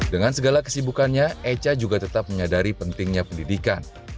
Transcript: dengan segala kesibukannya echa juga tetap menyadari pentingnya pendidikan